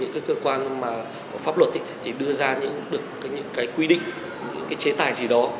các cơ quan pháp luật đưa ra những quy định chế tài gì đó